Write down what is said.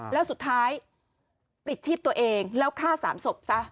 แล้วสุดท้ายปลิดชีพตัวเองแล้วฆ่า๓ศพซะ